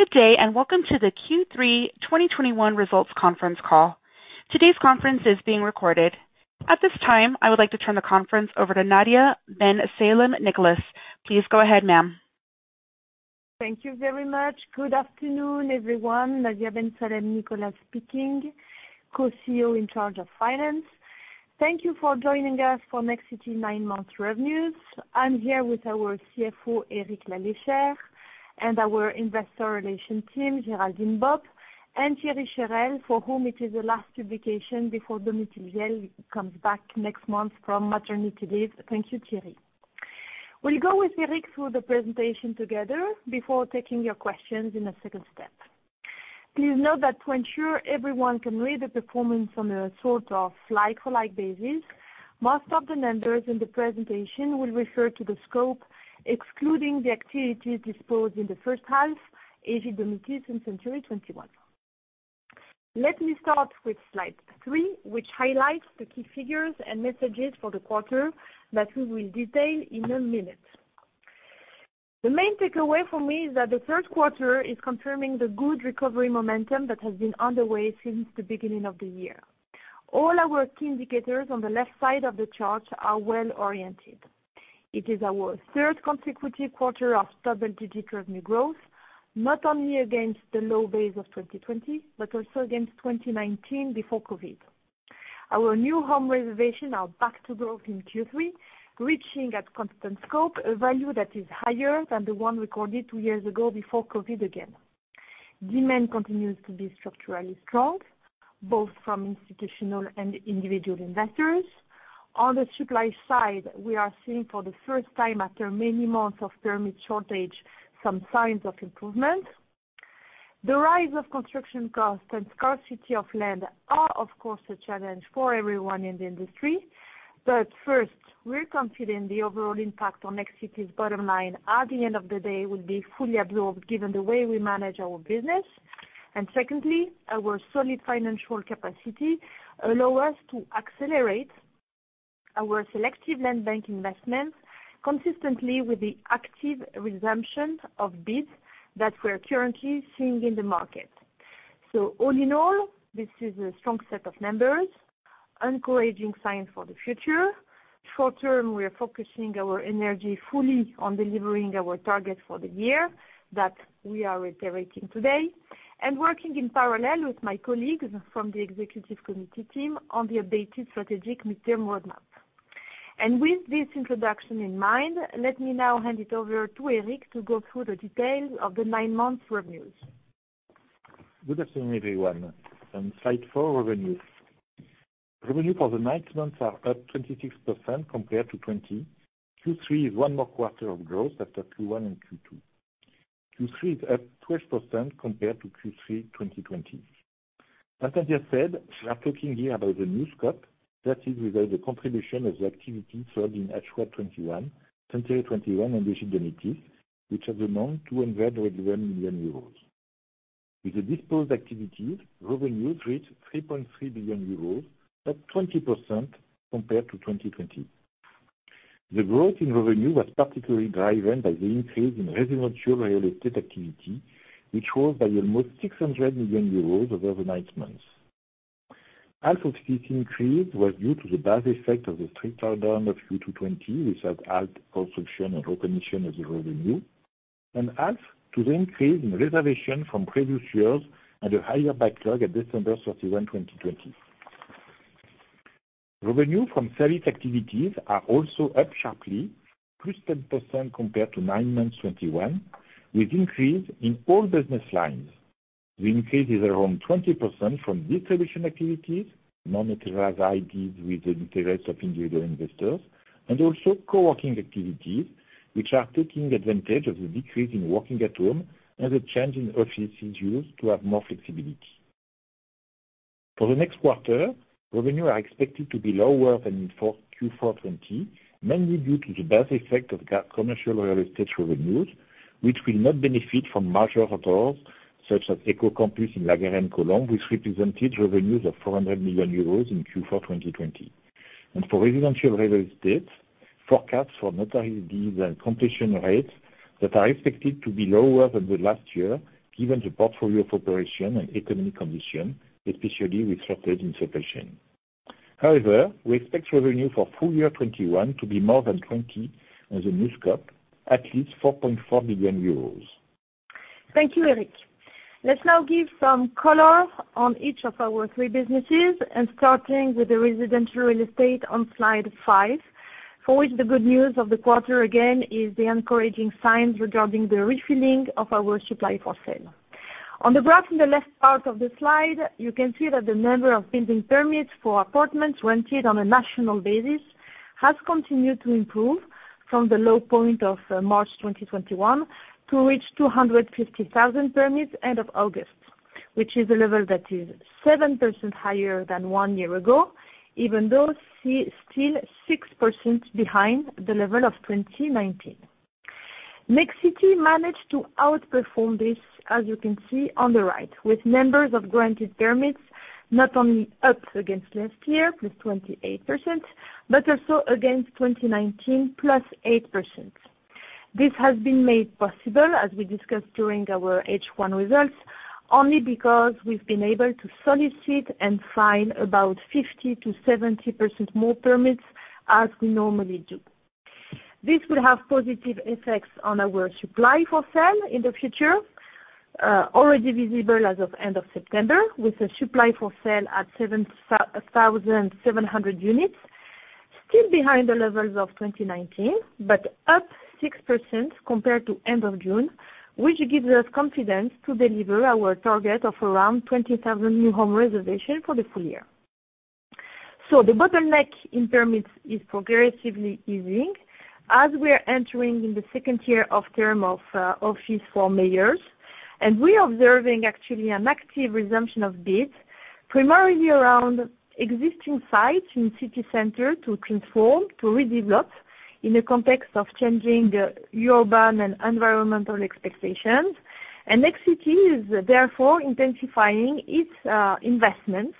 Good day, and welcome to the Q3 2021 results conference call. Today's conference is being recorded. At this time, I would like to turn the conference over to Nadia Ben Salem-Nicolas. Please go ahead, ma'am. Thank you very much. Good afternoon, everyone. Nadia Ben Salem-Nicolas speaking, Co-CEO in charge of finance. Thank you for joining us for Nexity nine-month revenues. I'm here with our CFO, Eric Lalechère, and our Investor Relations team, Géraldine Bobt and Thierry Cherel, for whom it is the last publication before Domitille Biel comes back next month from maternity leave. Thank you, Thierry. We'll go with Eric through the presentation together before taking your questions in a second step. Please note that to ensure everyone can read the performance on a sort of like for like basis, most of the metrics in the presentation will refer to the scope, excluding the activities disposed in the first half, Ægide-Domitys and Century 21. Let me start with slide three, which highlights the key figures and messages for the quarter that we will detail in a minute. The main takeaway for me is that the third quarter is confirming the good recovery momentum that has been underway since the beginning of the year. All our key indicators on the left side of the chart are well-oriented. It is our third consecutive quarter of double-digit revenue growth, not only against the low base of 2020, but also against 2019, before COVID. Our new home reservations are back to growth in Q3, reaching at constant scope a value that is higher than the one recorded two years ago before COVID again. Demand continues to be structurally strong, both from institutional and individual investors. On the supply side, we are seeing for the first time, after many months of permit shortage, some signs of improvement. The rise of construction costs and scarcity of land are, of course, a challenge for everyone in the industry. First, we're confident the overall impact on Nexity's bottom line at the end of the day will be fully absorbed, given the way we manage our business. Secondly, our solid financial capacity allow us to accelerate our selective land bank investments consistently with the active resumption of bids that we're currently seeing in the market. All in all, this is a strong set of numbers, encouraging sign for the future. Short-term, we are focusing our energy fully on delivering our target for the year that we are reiterating today, and working in parallel with my colleagues from the executive committee team on the updated strategic midterm roadmap. With this introduction in mind, let me now hand it over to Eric Lalechère to go through the details of the nine-month reviews. Good afternoon, everyone. On slide four, revenues. Revenue for the nine months are up 26% compared to 2020. Q3 is one more quarter of growth after Q1 and Q2. Q3 is up 12% compared to Q3 2020. As I just said, we are talking here about the new scope. That is without the contribution of the activity sold in H1 2021, Century 21 and Ægide-Domitys, which are among 200 million euros. With the disposed activities, revenues reached 3.3 billion euros, up 20% compared to 2020. The growth in revenue was particularly driven by the increase in residential real estate activity, which was by almost 600 million euros over the nine months. Half of this increase was due to the base effect of the strict lockdown of Q2 2020, which has helped construction and recognition as a revenue, and half to the increase in reservation from previous years at a higher backlog at December 31, 2020. Revenue from service activities are also up sharply, +10% compared to nine months 2021, with increase in all business lines. The increase is around 20% from distribution activities, Monetivia with the interest of individual investors, and also Nexity@Work, which are taking advantage of the decrease in working at home and the change in office use to have more flexibility. For the next quarter, revenues are expected to be lower than in Q4 2020, mainly due to the base effect of commercial real estate revenues, which will not benefit from major deals such as Eco-campus in La Garenne-Colombes, which represented revenues of 400 million euros in Q4 2020. For residential real estate, forecasts for notarized deals and completion rates that are expected to be lower than last year given the portfolio of operations and economic conditions, especially with shortage in construction. However, we expect revenue for full year 2021 to be more than 20 on the new scope, at least 4.4 billion euros. Thank you, Eric. Let's now give some color on each of our three businesses, starting with the residential real estate on slide five, for which the good news of the quarter, again, is the encouraging signs regarding the refilling of our supply for sale. On the graph in the left part of the slide, you can see that the number of building permits for apartments granted on a national basis has continued to improve from the low point of March 2021 to reach 250,000 permits end of August, which is a level that is 7% higher than one year ago, even though still 6% behind the level of 2019. Nexity managed to outperform this, as you can see on the right, with numbers of granted permits not only up against last year, +28%, but also against 2019, +8%. This has been made possible, as we discussed during our H1 results, only because we've been able to solicit and sign about 50%-70% more permits as we normally do. This will have positive effects on our supply for sale in the future, already visible as of end of September, with a supply for sale at 7,700 units, still behind the levels of 2019, but up 6% compared to end of June, which gives us confidence to deliver our target of around 20,000 new home reservations for the full year. The bottleneck in permits is progressively easing as we are entering the second term of office for mayors, and we are observing actually an active resumption of bids, primarily around existing sites in city center to transform, to redevelop in the context of changing the urban and environmental expectations. Nexity is therefore intensifying its investments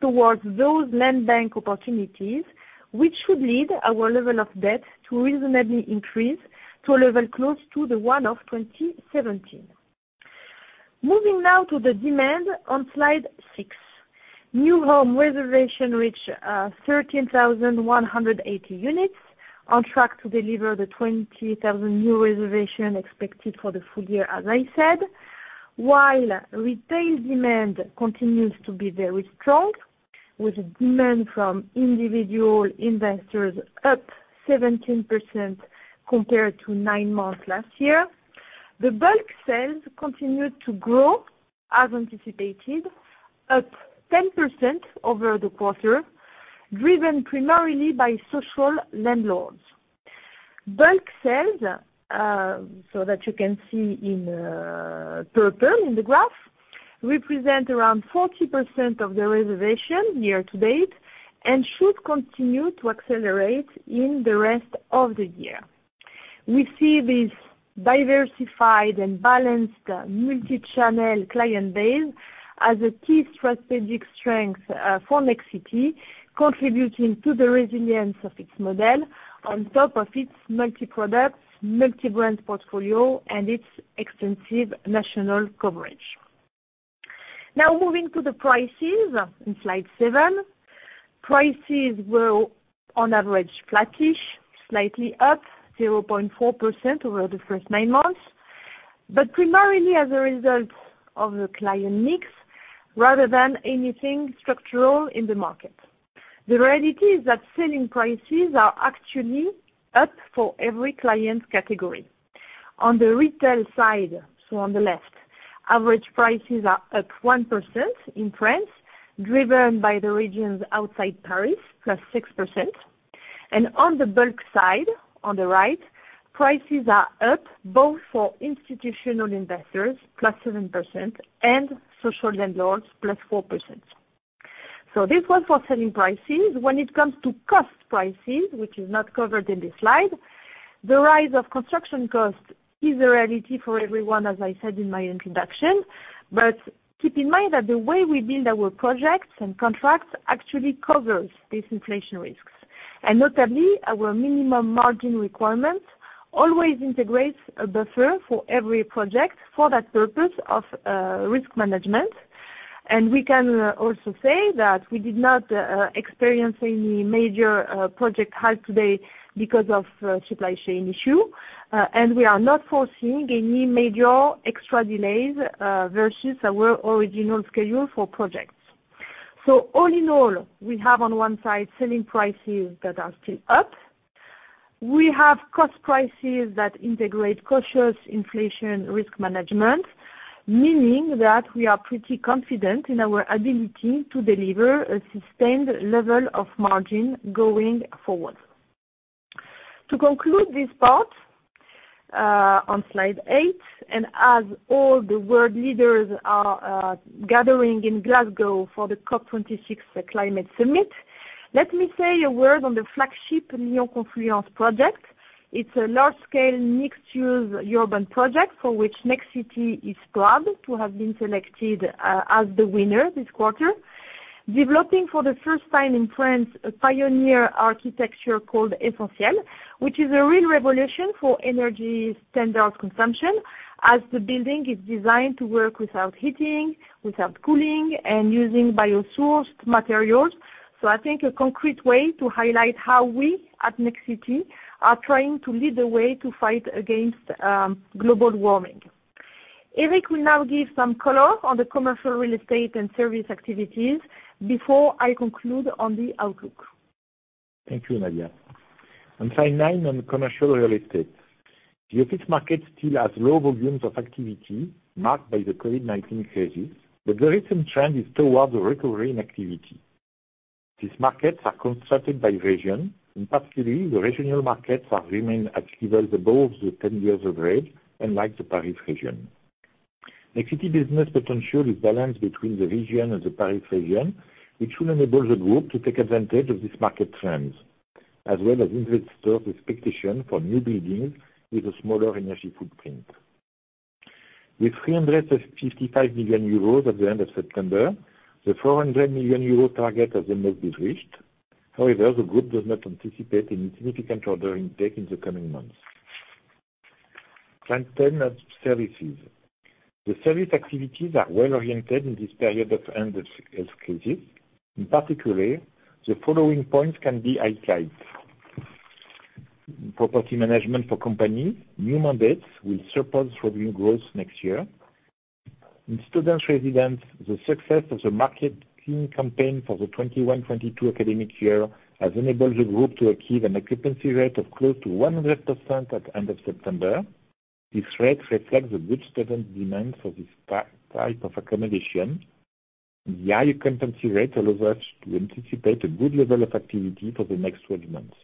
towards those land bank opportunities, which should lead our level of debt to reasonably increase to a level close to the one of 2017. Moving now to the demand on slide six. New home reservation reached 13,180 units, on track to deliver the 20,000 new reservation expected for the full year, as I said, while retail demand continues to be very strong, with demand from individual investors up 17% compared to nine months last year. The bulk sales continued to grow as anticipated, up 10% over the quarter, driven primarily by social landlords. Bulk sales, so that you can see in purple in the graph, represent around 40% of the reservation year-to-date and should continue to accelerate in the rest of the year. We see this diversified and balanced multichannel client base as a key strategic strength for Nexity, contributing to the resilience of its model on top of its multi-product, multi-brand portfolio and its extensive national coverage. Now, moving to the prices in slide seven. Prices were on average flattish, slightly up 0.4% over the first nine months, but primarily as a result of the client mix rather than anything structural in the market. The reality is that selling prices are actually up for every client category. On the retail side, so on the left, average prices are up 1% in France, driven by the regions outside Paris, +6%. On the bulk side, on the right, prices are up both for institutional investors, +7%, and social landlords, +4%. This was for selling prices. When it comes to cost prices, which is not covered in this slide, the rise of construction costs is a reality for everyone, as I said in my introduction. Keep in mind that the way we build our projects and contracts actually covers these inflation risks. Notably, our minimum margin requirement always integrates a buffer for every project for that purpose of risk management. We can also say that we did not experience any major project halt today because of supply chain issue and we are not foreseeing any major extra delays versus our original schedule for projects. All in all, we have on one side, selling prices that are still up. We have cost prices that integrate cautious inflation risk management, meaning that we are pretty confident in our ability to deliver a sustained level of margin going forward. To conclude this part on slide 8, and as all the world leaders are gathering in Glasgow for the COP26 climate summit, let me say a word on the flagship Lyon Confluence project. It's a large scale mixed-use urban project for which Nexity is proud to have been selected as the winner this quarter, developing for the first time in France a pioneer architecture called Essentiel, which is a real revolution for energy standard consumption as the building is designed to work without heating, without cooling, and using biosourced materials. I think a concrete way to highlight how we at Nexity are trying to lead the way to fight against global warming. Eric will now give some color on the commercial real estate and service activities before I conclude on the outlook. Thank you, Nadia. On slide nine, on commercial real estate. The office market still has low volumes of activity marked by the COVID-19 crisis, but the recent trend is towards a recovery in activity. These markets are constructed by region, and particularly the regional markets have remained at levels above the 10-year average, unlike the Paris region. Nexity business potential is balanced between the region and the Paris region, which will enable the group to take advantage of this market trends, as well as investor expectation for new buildings with a smaller energy footprint. With 355 million euros at the end of September, the 400 million euro target has almost been reached. However, the group does not anticipate any significant order intake in the coming months. Slide ten, services. The service activities are well oriented in this period of end of health crisis. In particular, the following points can be outlined. Property management for company, new mandates will support revenue growth next year. In student residence, the success of the marketing campaign for the 2021-2022 academic year has enabled the group to achieve an occupancy rate of close to 100% at the end of September. This rate reflects the good student demand for this type of accommodation. The high occupancy rate allows us to anticipate a good level of activity for the next twelve months.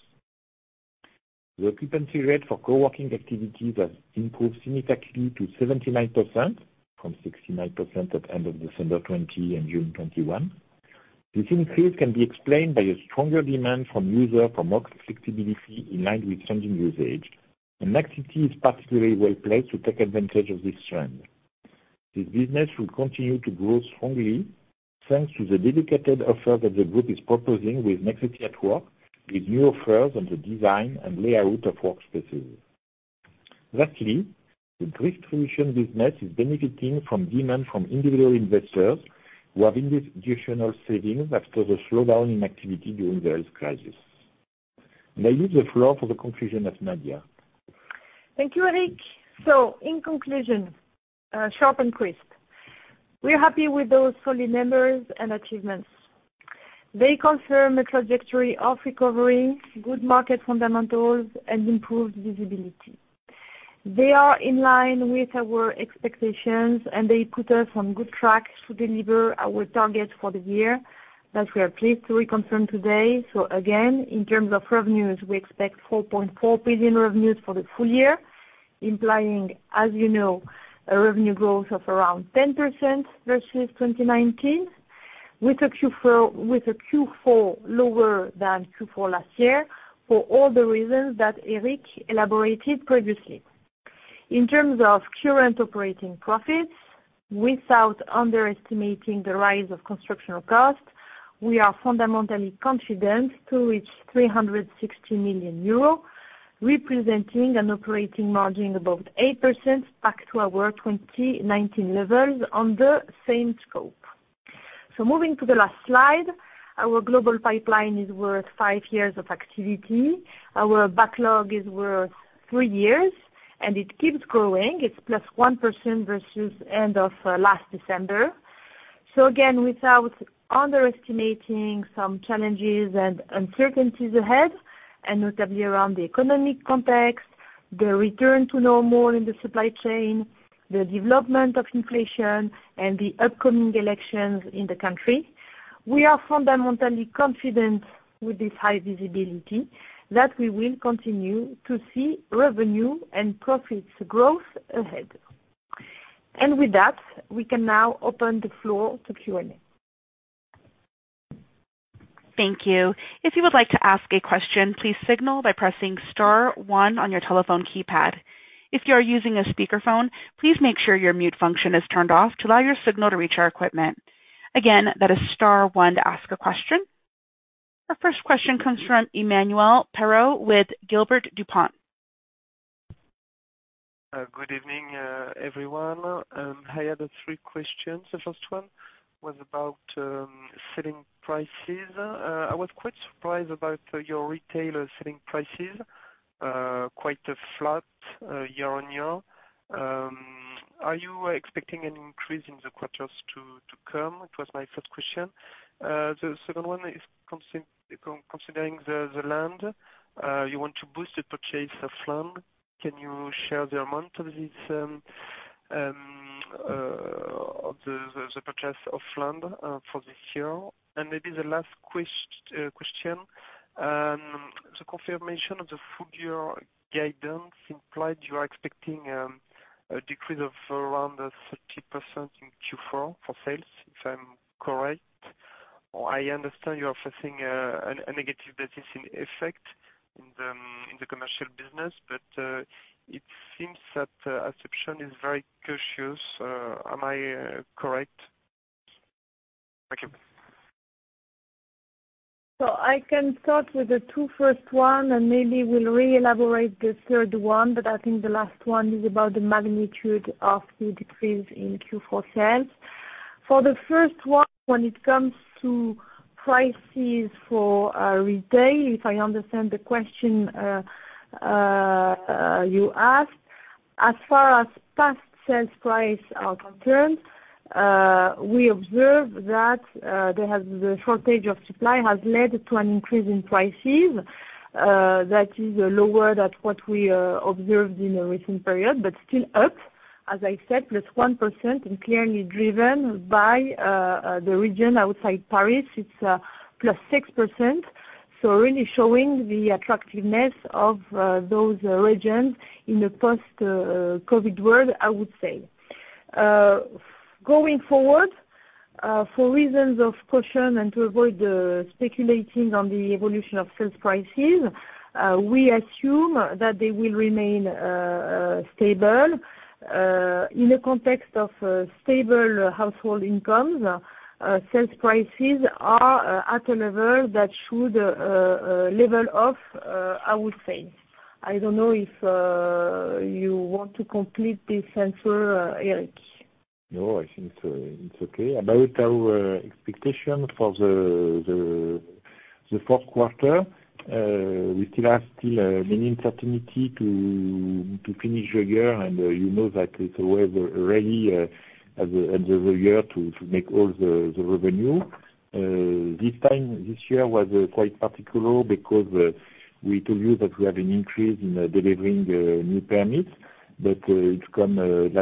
The occupancy rate for co-working activities has improved significantly to 79% from 69% at end of December 2020 and June 2021. This increase can be explained by a stronger demand from users for more flexibility in line with changing usage, and Nexity is particularly well-placed to take advantage of this trend. This business will continue to grow strongly, thanks to the dedicated offer that the group is proposing with Nexity@Work, with new offers on the design and layout of workspaces. Lastly, the distribution business is benefiting from demand from individual investors who have additional savings after the slowdown in activity during the health crisis. I leave the floor for the conclusion of Nadia. Thank you, Eric. In conclusion, sharp and crisp. We are happy with those solid numbers and achievements. They confirm a trajectory of recovery, good market fundamentals, and improved visibility. They are in line with our expectations, and they put us on good track to deliver our targets for the year that we are pleased to reconfirm today. Again, in terms of revenues, we expect 4.4 billion revenues for the full year, implying, as you know, a revenue growth of around 10% versus 2019, with a Q4 lower than Q4 last year, for all the reasons that Eric elaborated previously. In terms of current operating profits, without underestimating the rise of construction costs, we are fundamentally confident to reach 360 million euro, representing an operating margin above 8% back to our 2019 levels on the same scope. Moving to the last slide, our global pipeline is worth five years of activity. Our backlog is worth three years, and it keeps growing. It's +1% versus end of last December. Again, without underestimating some challenges and uncertainties ahead, and notably around the economic context, the return to normal in the supply chain, the development of inflation and the upcoming elections in the country, we are fundamentally confident with this high visibility that we will continue to see revenue and profits growth ahead. With that, we can now open the floor to Q&A. Thank you. If you would like to ask a question, please signal by pressing star one on your telephone keypad. If you are using a speakerphone, please make sure your mute function is turned off to allow your signal to reach our equipment. Again, that is star one to ask a question. Our first question comes from Emmanuel Parot with Gilbert Dupont. Good evening, everyone. I had three questions. The first one was about selling prices. I was quite surprised about your retail selling prices, quite flat year-over-year. Are you expecting an increase in the quarters to come? It was my first question. The second one is considering the land. You want to boost the purchase of land. Can you share the amount of this of the purchase of land for this year? Maybe the last question. The confirmation of the full year guidance implied you are expecting a decrease of around 30% in Q4 for sales, if I'm correct. I understand you are facing a negative base in effect in the commercial business, but it seems that assumption is very cautious. Am I correct? Thank you. I can start with the two first one, and maybe we'll re-elaborate the third one, but I think the last one is about the magnitude of the decrease in Q4 sales. For the first one, when it comes to prices for retail, if I understand the question, you asked, as far as past sales price are concerned, we observed that the shortage of supply has led to an increase in prices that is lower than what we observed in the recent period, but still up, as I said, plus 1%, and clearly driven by the region outside Paris. It's plus 6%. Really showing the attractiveness of those regions in a post COVID world, I would say. Going forward. For reasons of caution and to avoid speculating on the evolution of sales prices, we assume that they will remain stable. In the context of stable household incomes, sales prices are at a level that should level off, I would say. I don't know if you want to complete this answer, Eric. No, I think it's okay. About our expectations for the fourth quarter, we still have many uncertainties to finish the year. You know that it's always the case at the end of the year to make all the revenue. This year was quite particular because we told you that we have an increase in delivering new permits, but it came late.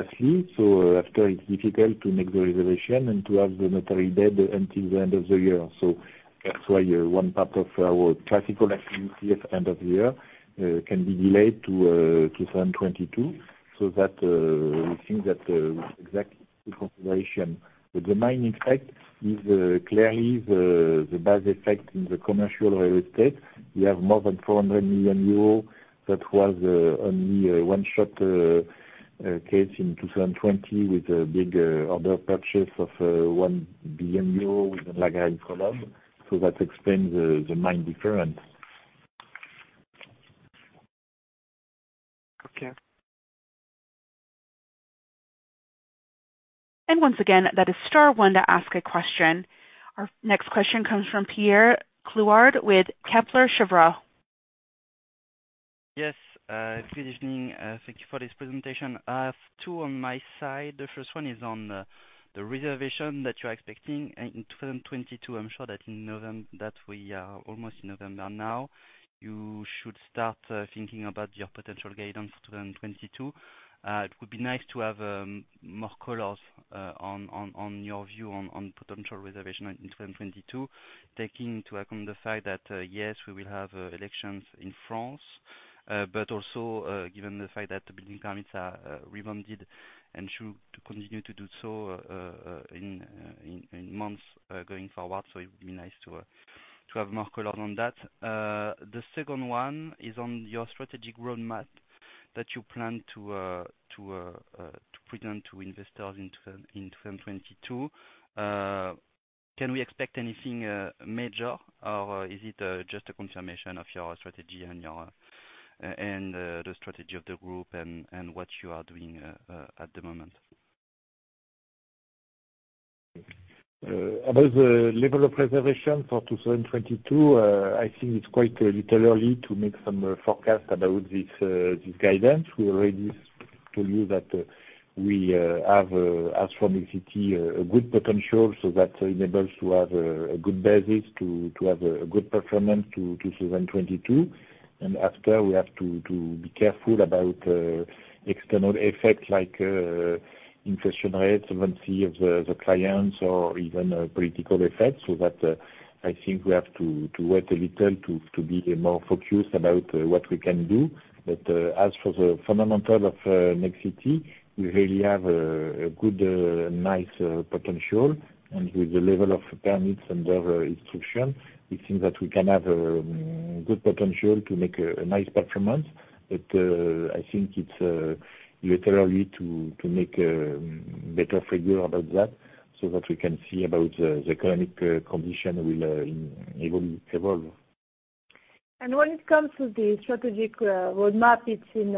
After, it's difficult to make the reservation and to have the notary deed until the end of the year. That's why one part of our classic activity at the end of the year can be delayed to 2022. That's the exact consideration. But the main effect is clearly the biggest effect in the commercial real estate. We have more than 400 million euros. That was only a one-shot case in 2020 with a big other purchase of 1 billion euro with La Garenne-Colombes. That explains the main difference. Okay. Once again, that is star one to ask a question. Our next question comes from Pierre Clouard with Kepler Cheuvreux. Yes, good evening. Thank you for this presentation. I have two on my side. The first one is on the reservation that you're expecting in 2022. I'm sure that we are almost in November now. You should start thinking about your potential guidance for 2022. It would be nice to have more color on your view on potential reservation in 2022, taking into account the fact that yes, we will have elections in France, but also, given the fact that the building permits have rebounded and should continue to do so in months going forward. It would be nice to have more color on that. The second one is on your strategic roadmap that you plan to present to investors in 2022. Can we expect anything major, or is it just a confirmation of your strategy and the strategy of the group and what you are doing at the moment? About the level of reservation for 2022, I think it's quite a bit early to make some forecast about this guidance. We already told you that we have as for Nexity a good potential, so that enables to have a good basis to have a good performance to 2022. After, we have to be careful about external effects like inflation rates, solvency of the clients or even political effects. I think we have to wait a little to be more focused about what we can do. As for the fundamentals of Nexity, we really have a good nice potential. With the level of permits and other instructions, we think that we can have good potential to make a nice performance. I think it's a little early to make a better figure about that, so that we can see about the economic condition will evolve. When it comes to the strategic roadmap, it's in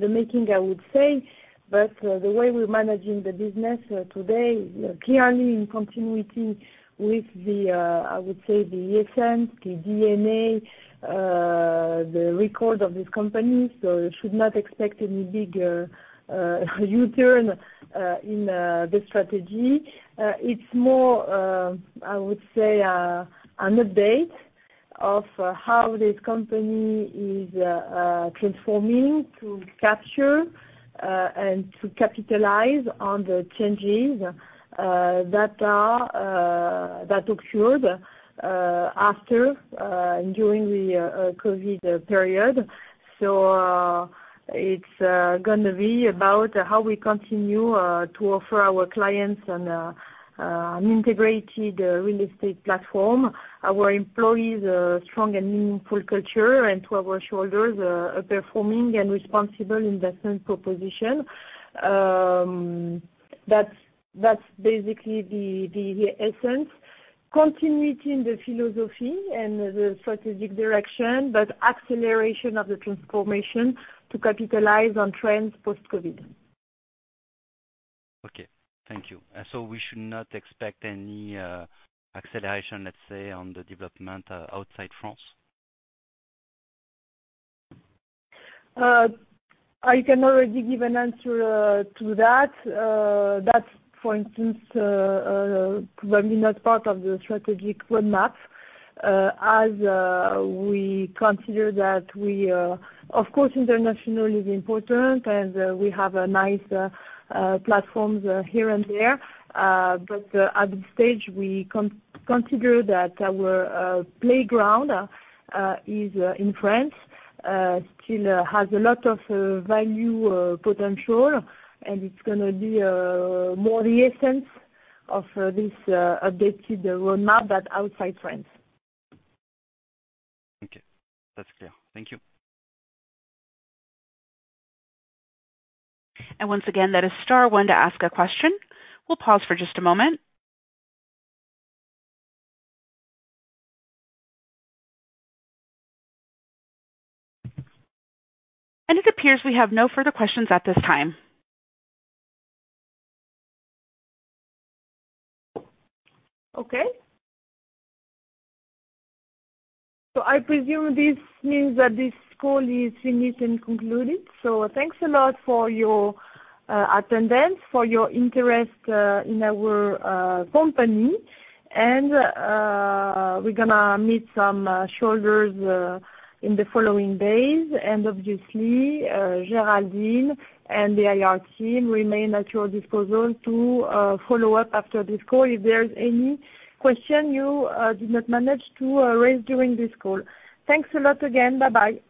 the making, I would say. The way we're managing the business today, clearly in continuity with, I would say, the essence, the DNA, the record of this company. You should not expect any big U-turn in the strategy. It's more, I would say, an update of how this company is transforming to capture and to capitalize on the changes that occurred after and during the COVID period. It's gonna be about how we continue to offer our clients an integrated real estate platform. Our employees a strong and meaningful culture, and to our shareholders, a performing and responsible investment proposition. That's basically the essence. Continuity in the philosophy and the strategic direction, but acceleration of the transformation to capitalize on trends post-COVID. Okay, thank you. We should not expect any acceleration, let's say, on the development outside France? I can already give an answer to that. That's, for instance, probably not part of the strategic roadmap. As we consider that we, of course, internationally is important, and we have nice platforms here and there. But at this stage, we consider that our playground is in France, still has a lot of value potential. It's gonna be more the essence of this updated roadmap outside France. Okay. That's clear. Thank you. Once again, that is star one to ask a question. We'll pause for just a moment. It appears we have no further questions at this time. Okay. I presume this means that this call is finished and concluded. Thanks a lot for your attendance, for your interest in our company. We're gonna meet some shareholders in the following days. Obviously, Géraldine and the IR team remain at your disposal to follow up after this call if there's any question you did not manage to raise during this call. Thanks a lot again. Bye-bye.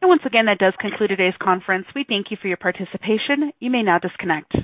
Once again, that does conclude today's conference. We thank you for your participation. You may now disconnect.